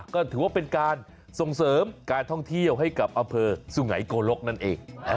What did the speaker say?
ก็ถือว่าเป็นการส่งเสริมการท่องเที่ยวให้กับอำเภอสุไงโกลกนั่นเอง